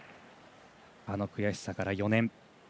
あの悔しさから４年。